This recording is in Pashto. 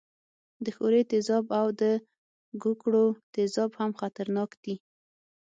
د ښورې تیزاب او د ګوګړو تیزاب هم خطرناک دي.